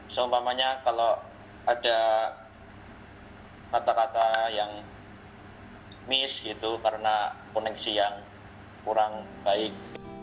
seumpamanya kalau ada kata kata yang miss gitu karena koneksi yang kurang baik